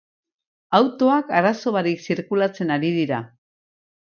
Autoak arazo barik zirkulartzen ari dira.